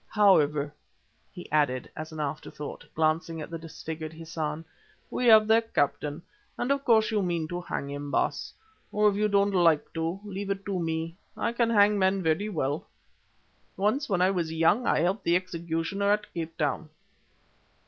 However," he added, as an afterthought, glancing at the disfigured Hassan, "we have their captain, and of course you mean to hang him, Baas. Or if you don't like to, leave it to me. I can hang men very well. Once, when I was young, I helped the executioner at Cape Town."